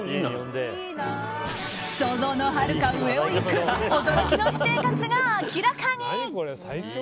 想像のはるか上を行く驚きの私生活が明らかに。